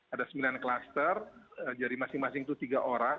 ada sembilan klaster jadi masing masing itu tiga orang